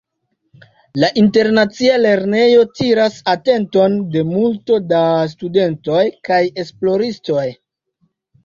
La Internacia Lernejo tiras atenton de multo da studentoj kaj esploristoj.